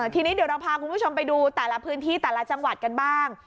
ทีนี้เดี๋ยวเราพาคุณผู้ชมไปดูแต่ละพื้นที่แต่ละจังหวัดกันบ้าง